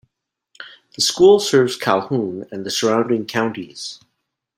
The school serves Calhoun and the surrounding counties.